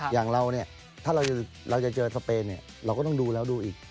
อย่างเราเนี่ยถ้าเราจะเจอสเปนเราก็ต้องดูแล้วดูอีก